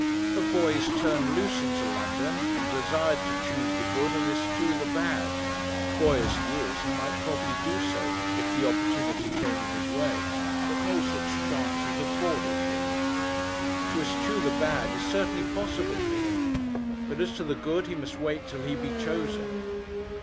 A boy is turned loose into London, and desired to choose the good and eschew the bad. Boy as he is, he might probably do so if the opportunity came in his way. But no such chance is afforded him. To eschew the bad is certainly possible for him; but as to the good, he must wait till he be chosen.